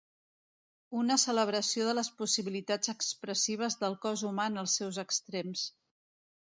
Una celebració de les possibilitats expressives del cos humà en els seus extrems.